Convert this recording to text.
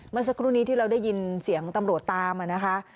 เมื่อสักครู่นี้ที่เราได้ยินเสียงตำรวจตามนะคะ